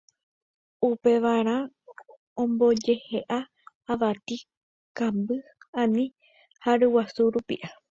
Upevarã ombojehe'a avati, kamby, ani ha ryguasu rupi'a